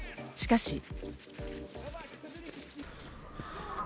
しかし。